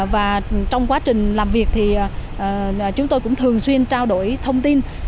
và trong quá trình làm việc thì chúng tôi cũng thường xuyên trao đổi thông tin